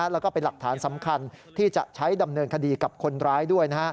แล้วก็เป็นหลักฐานสำคัญที่จะใช้ดำเนินคดีกับคนร้ายด้วย